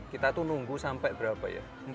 kita tuh nunggu sampai berapa ya